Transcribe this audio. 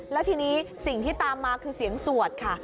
แล้วทีนี้สิ่งที่ตามมาคือเสียงสวดค่ะ